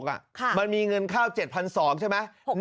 มันมีเงินเข้า๗๒๐๐ใช่ไหม